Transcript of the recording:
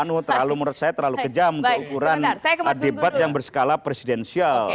terlalu menurut saya terlalu kejam untuk ukuran debat yang berskala presidensial